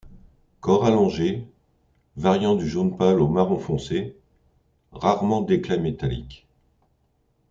Corps allongé, variant du jaune pâle au marron foncé, rarement d'éclat métallique.